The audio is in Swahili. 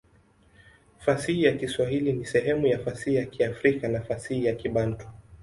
Fasihi ya Kiswahili ni sehemu ya fasihi ya Kiafrika na fasihi ya Kibantu.